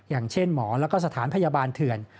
อย่างเช่นหมอแล้วก็สถานพยาบาลเถื่อน